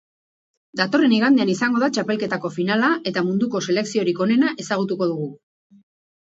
Datorren igandean izango da txapelketako finala eta munduko selekziorik onena ezagutuko dugu.